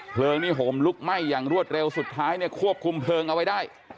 เพลิงนี่ห่มลุกไหม้อย่างรวดเร็วสุดท้ายเนี่ยควบคุมเพลิงเอาไว้ได้